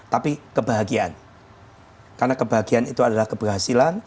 tapi kebahagiaan karena kebahagiaan itu adalah keberhasilan